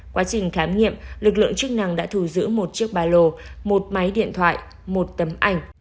quá trình khám nghiệm lực lượng chức năng đã thu giữ một chiếc ba lô một máy điện thoại một tấm ảnh